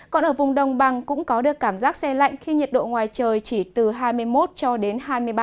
còn ở vùng đồng bằng cũng có được cảm giác xe lạnh khi nhiệt độ ngoài trời chỉ từ hai mươi một cho đến hai mươi ba độ